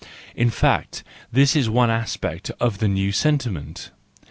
In fact, this is one aspect of the new sentiment.